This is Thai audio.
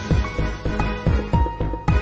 กินโทษส่องแล้วอย่างนี้ก็ได้